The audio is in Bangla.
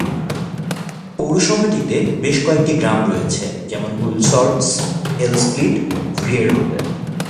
পৌরসভাটিতে বেশ কয়েকটি গ্রাম রয়েছে, যেমন- হুলশর্স্ট, এলস্পিট এবং ভিয়েরহুটেন।